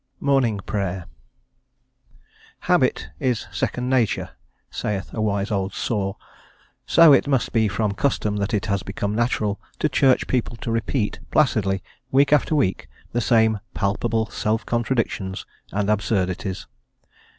MORNING PRAYER. "HABIT, is second nature," saith a wise old saw, so it must be from custom that it has become natural to Church people to repeat placidly, week after week, the same palpable self contradictions and absurdities.